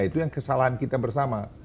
itu yang kesalahan kita bersama